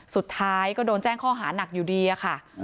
สุดท้ายก็โดนแจ้งข้อหานักอยู่ดีอะค่ะ